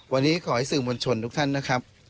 วันนี้ขอให้สื่อมวลชนทุกท่านนะครับ